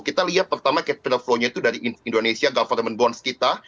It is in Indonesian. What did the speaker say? kita lihat pertama capital flow nya itu dari indonesia government bonds kita